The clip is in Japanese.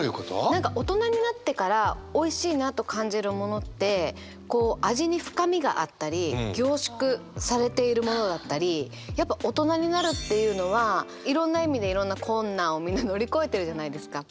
何か大人になってからおいしいなと感じるものってこう味に深みがあったり凝縮されているものだったりやっぱ大人になるっていうのはいろんな意味でいろんな困難をみんな乗り越えてるじゃないですか。